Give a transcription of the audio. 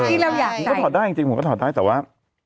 พูดได้แจ้งจริงผมก็ถอดได้ต่อว่า